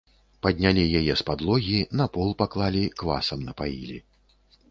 Паднялі яе з падлогі, на пол паклалі, квасам напаілі.